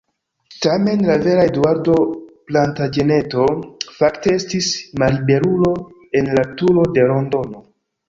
Tamen la vera Eduardo Plantaĝeneto fakte estis malliberulo en la Turo de Londono.